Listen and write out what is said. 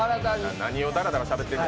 何をだらだらしゃべってるの。